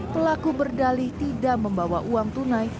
pelaku berdali tidak membawa uang tunai